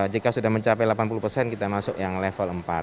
jika sudah mencapai delapan puluh persen kita masuk yang level empat